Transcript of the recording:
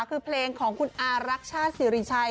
คือเพลงของคุณอารักชาติศิริชัย